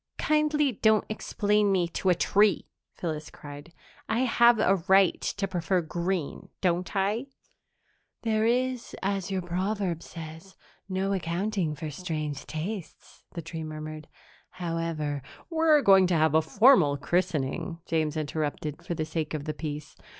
"Kindly don't explain me to a tree!" Phyllis cried. "I have a right to prefer green, don't I?" "There is, as your proverb says, no accounting for strange tastes," the tree murmured. "However " "We're going to have a formal christening," James interrupted, for the sake of the peace.